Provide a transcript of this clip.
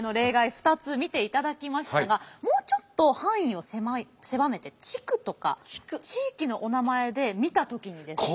２つ見ていただきましたがもうちょっと範囲を狭めて地区とか地域のお名前で見た時にですね。